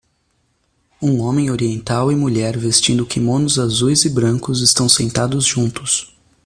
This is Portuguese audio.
Um homem oriental e mulher vestindo quimonos azuis e brancos estão sentados juntos.